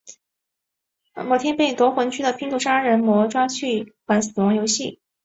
某天被夺魂锯的拼图杀人魔抓去玩死亡游戏。